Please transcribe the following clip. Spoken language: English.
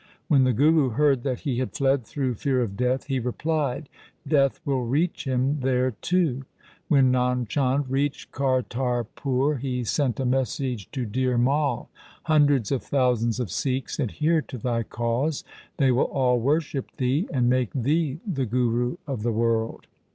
When the Guru heard that he had fled through fear of death, he replied, ' Death will reach him there too.' When Nand Chand reached Kartarpur, he sent a message to Dhir Mai, ' Hundreds of thou sands of Sikhs adhere to thy cause ; they will all worship thee, and make thee the Guru of the world.